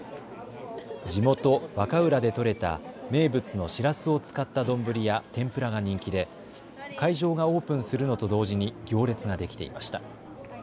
地元和歌浦で取れた名物のしらすを使った丼や天ぷらが人気で会場がオープンするのと同時に行列ができていました。